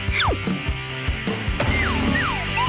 แฮ้ย